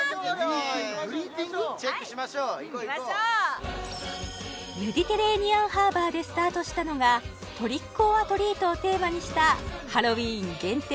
チェックしましょう行こう行こうメディテレーニアンハーバーでスタートしたのがトリック・オア・トリートをテーマにしたハロウィーン限定